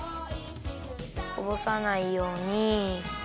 こぼさないように。